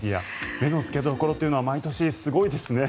目の付け所というのは毎年すごいですね。